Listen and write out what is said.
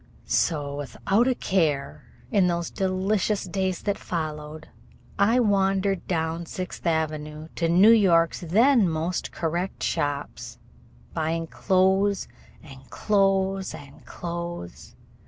So, without a care in those delicious days that followed, I wandered down Sixth Avenue to New York's then most correct shops, buying clothes and clothes and clothes.